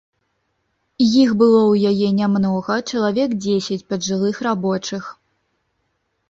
Іх было ў яе нямнога, чалавек дзесяць паджылых рабочых.